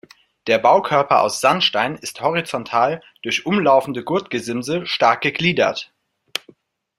Der Baukörper aus Sandstein ist horizontal durch umlaufende Gurtgesimse stark gegliedert.